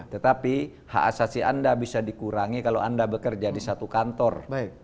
tetapi hak asasi anda bisa dikurangi kalau anda bekerja di satu kantor